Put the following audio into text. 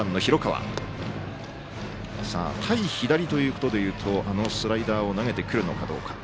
対左ということでいうとあのスライダーを投げてくるのかどうか。